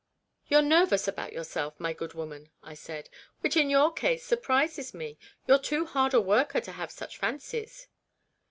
"You're nervous about yourself, my good woman," I said, " which in your case surprises me; you're too hard a worker to have such fancies."